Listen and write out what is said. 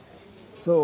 そう。